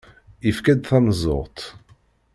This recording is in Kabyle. Yefka-d tameẓẓuɣt.